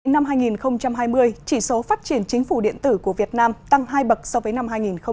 năm hai nghìn hai mươi chỉ số phát triển chính phủ điện tử của việt nam tăng hai bậc so với năm hai nghìn một mươi chín